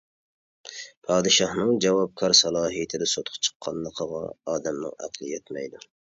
پادىشاھنىڭ جاۋابكار سالاھىيىتىدە سوتقا چىققانلىقىغا ئادەمنىڭ ئەقلى يەتمەيدۇ.